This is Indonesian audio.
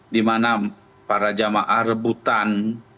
dimana para jemaah rebutan